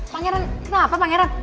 pangeran kenapa pangeran